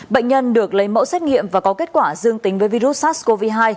bệnh nhân được lấy mẫu xét nghiệm và có kết quả dương tính với virus sars cov hai